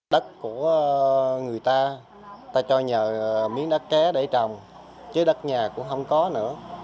đất của người ta ta cho nhờ miếng đất ké để trồng chứ đất nhà cũng không có nữa